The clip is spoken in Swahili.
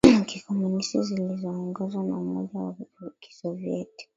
kikomunisti zilizoongozwa na Umoja wa Kisovyeti